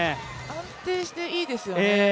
安定していいですよね。